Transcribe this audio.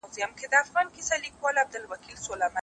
سپیني سپیني مرغلري